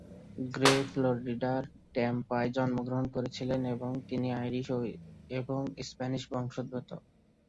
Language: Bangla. গ্রে ফ্লোরিডার ট্যাম্পায় জন্মগ্রহণ করেছিলেন এবং তিনি আইরিশ এবং স্প্যানিশ বংশোদ্ভূত।